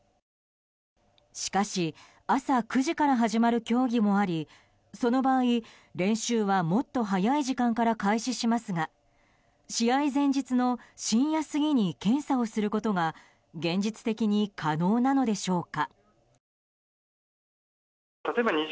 しかし朝９時から始まる競技もありその場合、練習はもっと早い時間から開始しますが試合前日の深夜過ぎに検査をすることが現実的に可能なのでしょうか。